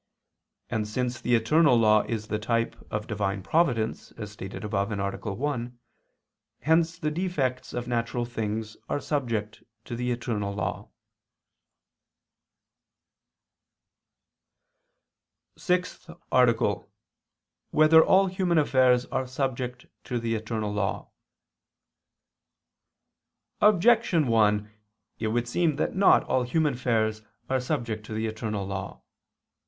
And since the eternal law is the type of Divine providence, as stated above (A. 1), hence the defects of natural things are subject to the eternal law. ________________________ SIXTH ARTICLE [I II, Q. 93, Art. 6] Whether All Human Affairs Are Subject to the Eternal Law? Objection 1: It would seem that not all human affairs are subject to the eternal law.